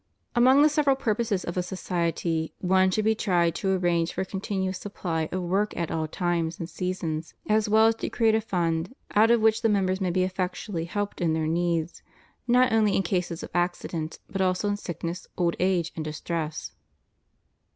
Among the several purposes of a society one should be to try to arrange for a continuous supply of work at all times and seasons, as well as to create a fund out of which the members may be effectually helped in their needs, not only in cases of accident but also in sickness, old age, and distress.